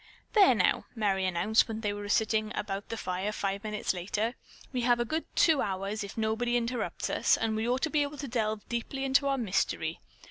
"There now," Merry announced when they were sitting about the fire five minutes later, "we have a good two hours, if nobody interrupts us, and we ought to be able to delve deeply into our mystery.